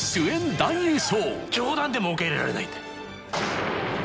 冗談でも受け入れられないんだよ。